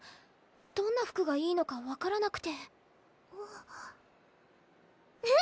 どんな服がいいのか分からなくてうん！